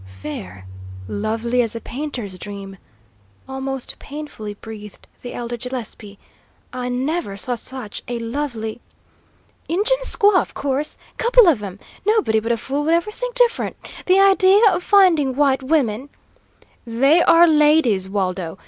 "Fair lovely as a painter's dream!" almost painfully breathed the elder Gillespie. "I never saw such a lovely " "Injun squaw, of course. Couple of 'em. Nobody but a fool would ever think different. The idea of finding white women " "They are ladies, Waldo!